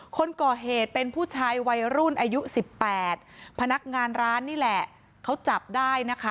คนก่อเหตุเป็นผู้ชายวัยรุ่นอายุสิบแปดพนักงานร้านนี่แหละเขาจับได้นะคะ